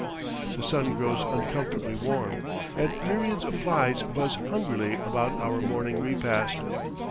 The sun grows uncomfortably warm, and myriads of flies buzz hungrily about our morning repast.